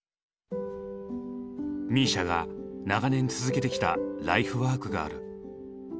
ＭＩＳＩＡが長年続けてきたライフワークがある。